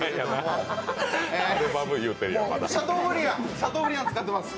シャトーブリアン使ってます。